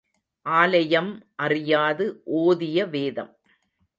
ஆலயம் அறியாது ஓதிய வேதம்.